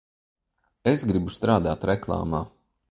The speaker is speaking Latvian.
Es gribu strādāt reklāmā.